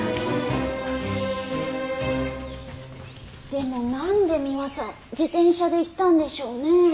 でも何でミワさん自転車で行ったんでしょうね？